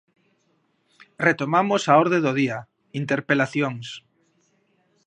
Retomamos a orde do día, interpelacións.